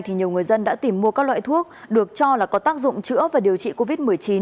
thì nhiều người dân đã tìm mua các loại thuốc được cho là có tác dụng chữa và điều trị covid một mươi chín